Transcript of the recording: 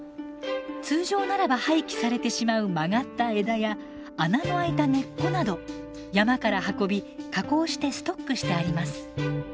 通常ならば廃棄されてしまう曲がった枝や穴の開いた根っこなど山から運び加工してストックしてあります。